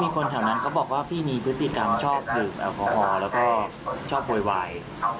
มีคนแถวนั้นก็บอกว่าพี่นี่พฤติกรรมชอบดื่มอคอแล้วก็ชอบโพยวาย